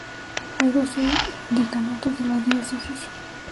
Hay doce decanatos de la diócesis.